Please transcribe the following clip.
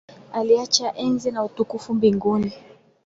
Aliacha enzi na utukufu mbinguni.